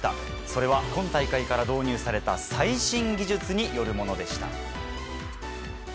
それは、今大会から導入された最新技術によるものでした。